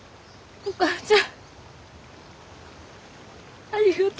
お母ちゃん。